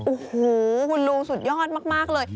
โอ้โหคุณลุงสุดยอดมากเลย